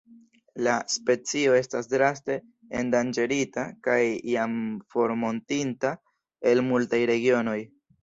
La specio estas draste endanĝerita kaj jam formortinta el multaj regionoj.